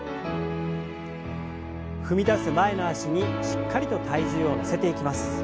踏み出す前の脚にしっかりと体重を乗せていきます。